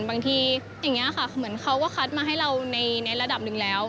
บางทีอย่างนี้ค่ะเหมือนเขาก็คัดมาให้เราในระดับหนึ่งแล้ว